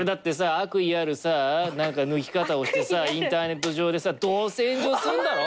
悪意あるさ何か抜き方をしてさインターネット上でさどうせ炎上するんだろう？